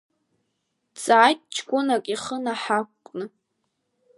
Дҵааит ҷкәынак ихы наҳақәкны.